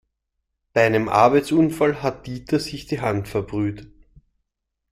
Bei einem Arbeitsunfall hat Dieter sich die Hand verbrüht.